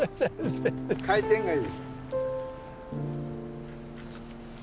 回転がいい。